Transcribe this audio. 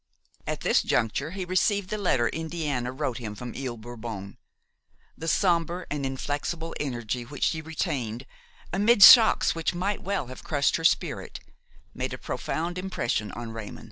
At this juncture he received the letter Indiana wrote him from Ile Bourbon. The sombre and inflexible energy which she retained, amid shocks which might well have crushed her spirit, made a profound impression on Raymon.